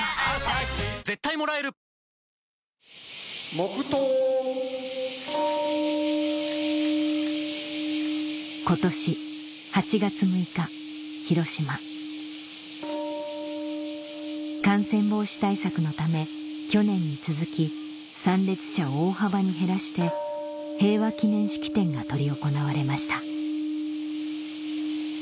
・黙とう・今年８月６日ヒロシマ感染防止対策のため去年に続き参列者を大幅に減らして平和記念式典が執り行われました